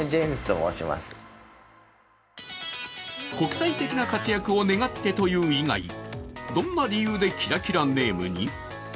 国際的な活躍を願ってという以外、どんな理由でキラキラネームに？